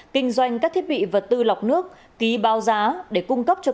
kinh doanh các thiết bị vật tư lọc nước ký bao giá để cung cấp cho công an